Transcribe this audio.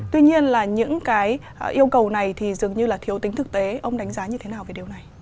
tuy nhiên là những cái yêu cầu này thì dường như là thiếu tính thực tế ông đánh giá như thế nào về điều này